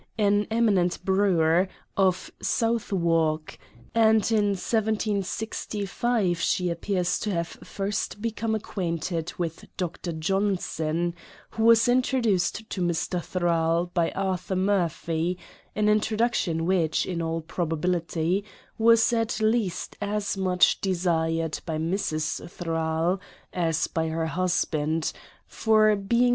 an eminent brewer, of Southwark; and, in 1765, she ap pears to have first become acquainted with Dr. Johnson, who was introduced to Mr. Thrale by Arthur Murphy ;— an introduction which, in all probability, was at least as much desired by Mrs. Thrale as by her husband ; for being M133149 6' : PREFACE.